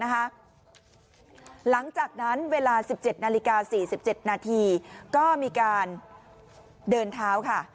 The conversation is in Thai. หลังจากนั้นเวลา๑๗นาฬิกา๔๗นาทีก็มีการเดินเท้าค่ะ